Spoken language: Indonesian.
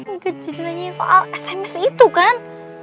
ngejit nanya soal sms itu kan